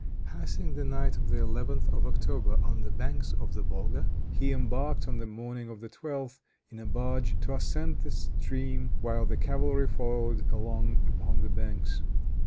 Passing the night of the 11th of October on the banks of the Volga, he embarked on the morning of the 12th in a barge to ascend the stream, while the cavalry followed along upon the banks.